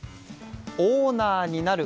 オーナーになる。